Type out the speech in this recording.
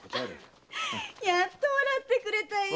やっと笑ってくれたよ！